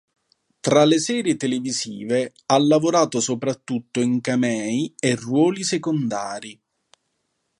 Tra le serie televisive, ha lavorato soprattutto in camei e ruoli secondari.